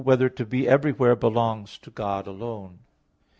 4] Whether to Be Everywhere Belongs to God Alone?